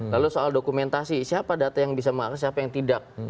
lalu soal dokumentasi siapa data yang bisa mengakhi siapa yang tidak